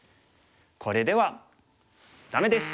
これではダメです。